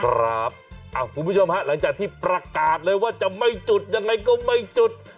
คุณผู้ชมฮะหลังจากที่ประกาศเลยว่าจะไม่จุดยังไงก็ไม่จุด